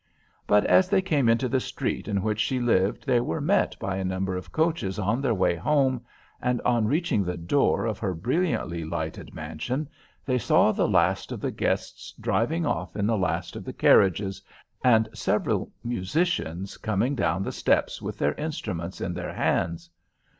But as they came into the street in which she lived they were met by a number of coaches on their way home, and on reaching the door of her brilliantly lighted mansion, they saw the last of the guests driving off in the last of the carriages, and several musicians coming down the steps with their instruments in their hands.